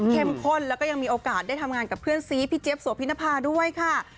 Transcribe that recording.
ข้นแล้วก็ยังมีโอกาสได้ทำงานกับเพื่อนซีพี่เจี๊ยโสพินภาด้วยค่ะ